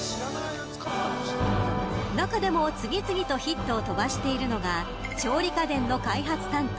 中でも次々とヒットを飛ばしているのが調理家電の開発担当